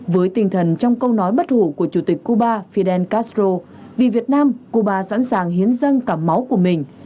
với tinh thần trong câu nói bất hủ của chủ tịch cuba fidel castro vì việt nam cuba sẵn sàng hiến dâng cả máu của mình